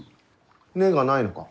根がないのか？